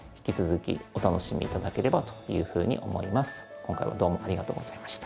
今回はどうもありがとうございました。